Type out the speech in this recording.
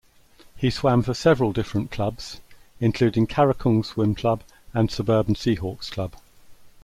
He swam for several different clubs, including Karakung Swim Club and Suburban Seahawks Club.